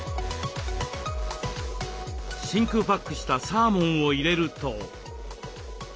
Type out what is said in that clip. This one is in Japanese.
真空パックしたサーモンを入れると。